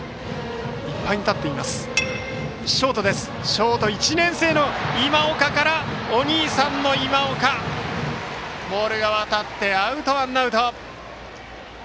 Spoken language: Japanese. ショート１年生の今岡からお兄さんの今岡へボールがわたってワンアウト。